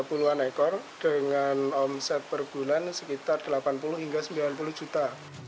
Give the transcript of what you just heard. puluhan ekor dengan omset per bulan sekitar delapan puluh hingga sembilan puluh juta